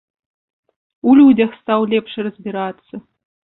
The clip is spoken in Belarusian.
У людзях стаў лепш разбірацца.